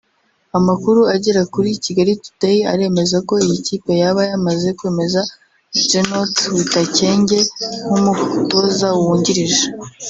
Amakuru agera kuri Kigali Today aremeza ko iyi kipe yaba yamaze kwemeza Jeannot Witakenge nk’umutoza wungirije